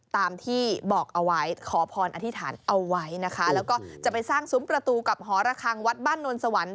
ตามที่บอกเอาไว้ขอพรอธิษฐานเอาไว้นะคะแล้วก็จะไปสร้างซุ้มประตูกับหอระคังวัดบ้านนวลสวรรค์